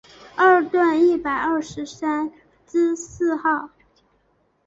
二段一百二十三之四号